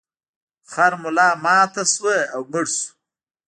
خر ملا ماته شوه او مړ شو.